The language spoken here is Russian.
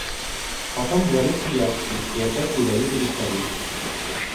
Потом говорил Свияжский и опять ядовитый господин.